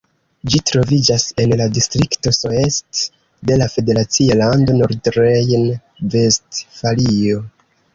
Ĝi troviĝas en la distrikto Soest de la federacia lando Nordrejn-Vestfalio.